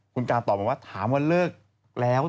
คุณการตอบบอกว่าถามว่าเลิกแล้ว